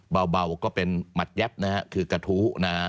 เบาก็เป็นหมัดแย๊บนะครับคือกระทู้นะ